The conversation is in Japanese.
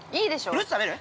◆フルーツ食べる？